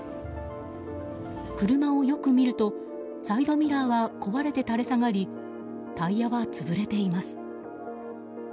車をよく見るとサイドミラーは壊れて垂れ下がりタイヤは潰れています。